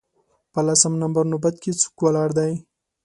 په لسم نمبر نوبت کې څوک ولاړ دی